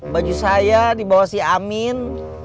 baju saya dibawa si amin